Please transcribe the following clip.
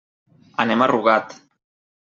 Anem a Rugat.